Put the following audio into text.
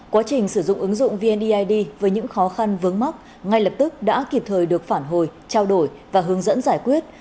quá trình sử dụng ứng dụng vneid với những khó khăn vướng mắc ngay lập tức đã kịp thời được phản hồi trao đổi và hướng dẫn giải quyết